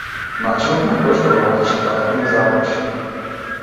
Начинот на кој што работеше татко ми заврши.